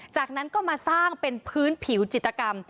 จากนั้นก็มาสร้างเป็นพื้นผิวจิตกรรม